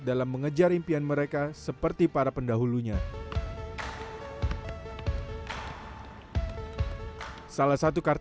dalam mengejar impian mereka seperti para pendahulunya